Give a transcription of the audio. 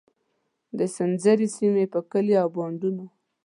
د سنځري سیمې پر کلیو او بانډونو.